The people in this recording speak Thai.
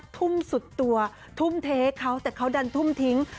ทุ่มสุดตัวทุ่มเทเขาแต่เขาดันทุ่มทิ้ง